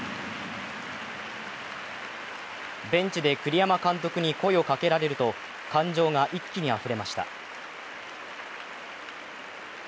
ベンチで栗山監督に声をかけられると感情が一気にあふれました。